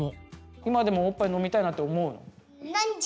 今でもおっぱい飲みたいなって思うの？